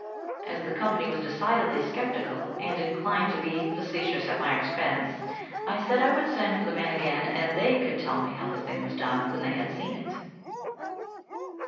As the company was decidedly sceptical, and inclined to be facetious at my expense, I said I would send for the man again, and they could tell me how the thing was done when they had seen it.